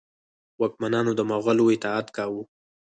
واکمنانو د مغولو اطاعت کاوه.